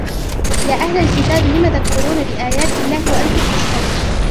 يَا أَهْلَ الْكِتَابِ لِمَ تَكْفُرُونَ بِآيَاتِ اللَّهِ وَأَنْتُمْ تَشْهَدُونَ